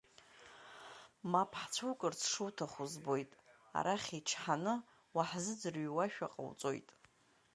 Мап ҳцәукырц шуҭаху збоит, арахь ичҳаны уаҳзыӡырҩуашәа ҟауҵоит.